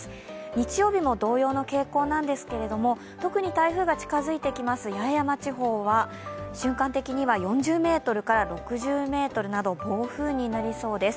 日曜日も同様の傾向なんですけれども、特に台風が近づいてきます八重山地方は瞬間的には４０メートルから６０メートルなど暴風になりそうです。